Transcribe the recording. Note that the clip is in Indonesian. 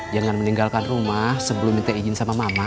jangan meninggalkan rumah sebelum minta izin sama mama